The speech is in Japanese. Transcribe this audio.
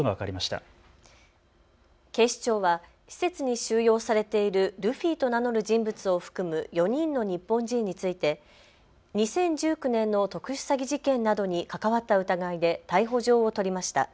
警視庁は施設に収容されているルフィと名乗る人物を含む４人の日本人について２０１９年の特殊詐欺事件などに関わった疑いで逮捕状を取りました。